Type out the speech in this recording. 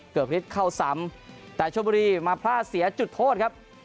ฤทธิ์เข้าซ้ำแต่ชมบุรีมาพลาดเสียจุดโทษครับ